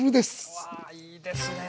うわいいですね！